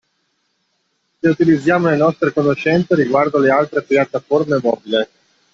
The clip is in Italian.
Se utilizziamo le nostre conoscenze riguardo le altre piattaforme mobile